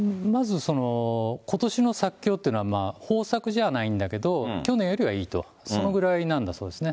まずことしの作況というのは、豊作じゃないんだけど、去年よりはいいと、そのぐらいなんだそうですね。